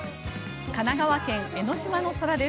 神奈川県・江の島の空です。